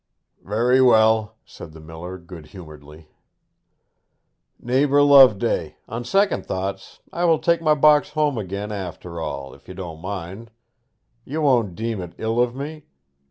'Very well,' said the miller good humouredly. 'Neighbour Loveday! on second thoughts I will take my box home again, after all, if you don't mind. You won't deem it ill of me?